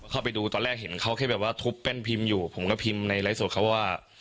เข้าไปดูตอนแรกเห็นเขาแค่แบบว่าทุบแป้นพิมพ์อยู่ผมก็พิมพ์ในไลฟ์สดเขาว่า